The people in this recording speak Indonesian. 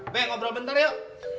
be ngobrol bentar yuk